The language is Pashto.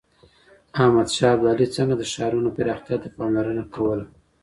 احمد شاه ابدالي څنګه د ښارونو پراختيا ته پاملرنه کوله؟